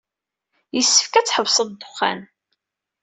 Yessefk ad tḥebseḍ ddexxan.